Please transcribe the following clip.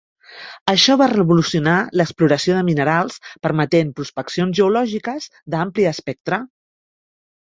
Això va revolucionar l'exploració de minerals permetent prospeccions geològiques d'ampli espectre.